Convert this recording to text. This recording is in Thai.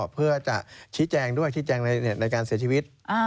เพื่อจะชี้แจงด้วยชี้แจงในการเสียชีวิต